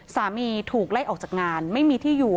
สามีถูกไล่ออกจากงานไม่มีที่อยู่